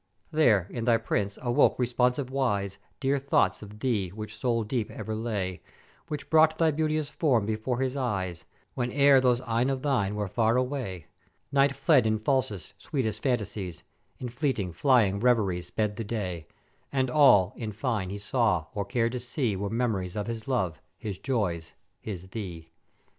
"There, in thy Prince awoke responsive wise, dear thoughts of thee which soul deep ever lay; which brought thy beauteous form before his eyes, whene'er those eyne of thine were far away; Night fled in falsest, sweetest phantasies, in fleeting, flying reveries sped the Day; and all, in fine, he saw or cared to see were memories of his love, his joys, his thee.